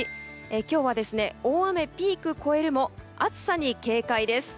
今日は、大雨ピーク越えるも暑さに警戒です。